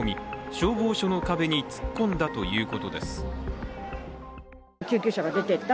消防署の壁に突っ込んだということです。